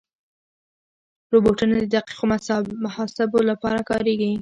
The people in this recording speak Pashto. روبوټونه د دقیقو محاسبو لپاره کارېږي.